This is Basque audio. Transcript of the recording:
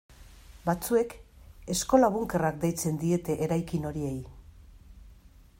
Batzuek eskola-bunkerrak deitzen diete eraikin horiei.